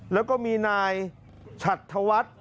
แล้วก็มีนายฉัดธวัฒน์